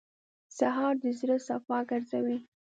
سهار د زړه صفا ګرځوي.